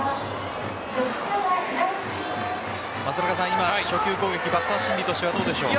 今、初球、攻撃バッター心理としてはどうでしょうか？